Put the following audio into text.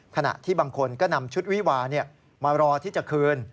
ขณะที่บางคนก็นำชุดวิวามารอที่จะคืน